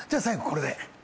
これで。